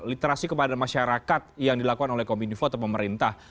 literasi kepada masyarakat yang dilakukan oleh kominfo atau pemerintah